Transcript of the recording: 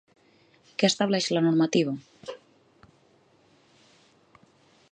Què estableix la normativa?